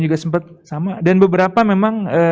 juga sempat sama dan beberapa memang